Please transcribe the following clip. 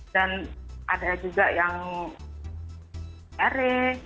dan ada juga yang kere